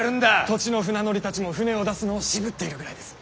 土地の船乗りたちも舟を出すのを渋っているぐらいです。